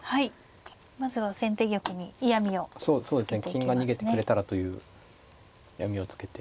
金が逃げてくれたらという嫌みをつけて。